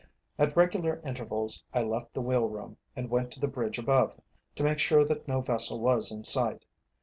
At regular intervals I left the wheel room and went to the bridge above, to make sure that no vessel was in sight.